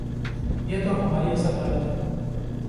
یہ تو ہماری اصل حالت ہے۔